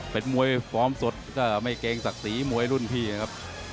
เป็นมวยฟอร์มสดก็ไม่เกรงสักสีมวยรุ่นพี่ครับ